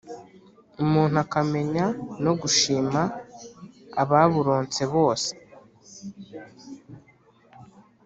Umuntu akamenya no gushima ababuronse bose.